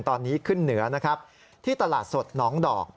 ตอนนี้ขึ้นเหนือนะครับที่ตลาดสดน้องดอก